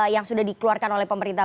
yang sudah dikeluarkan oleh pemerintah